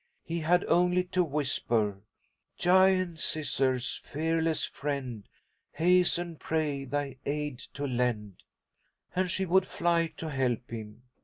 He had only to whisper: "'Giant Scissors, fearless friend, Hasten, pray, thy aid to lend,' and she would fly to help him.